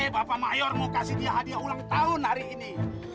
bapak mayor mau kasih dia hadiah ulang tahun hari ini